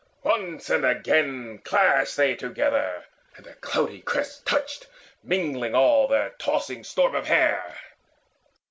Once and again Clashed they together, and their cloudy crests Touched, mingling all their tossing storm of hair.